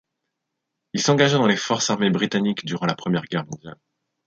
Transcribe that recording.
Il s’engagea dans les forces armées britanniques durant la Première Guerre mondiale.